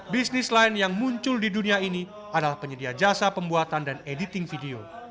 bisnis lain yang muncul di dunia ini adalah penyedia jasa pembuatan dan editing video